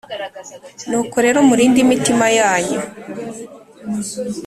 Nuko rero murinde imitima yanyu